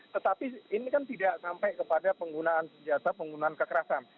tetapi ini kan tidak sampai kepada penggunaan senjata penggunaan kekerasan